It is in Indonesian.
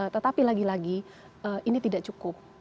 tetapi lagi lagi ini tidak cukup